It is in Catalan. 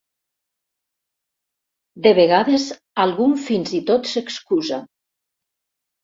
De vegades algun fins i tot s'excusa.